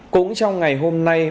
cũng trong ngày hôm nay